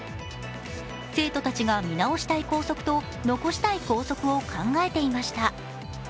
生徒たちが見直したい校則と残したい校則を考えていました。